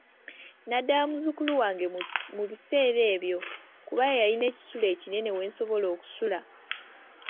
Nadda wa muzukulu wange mu biseera ebyo kuba ye yayina ekisulo ekinene w'ensobola okusula.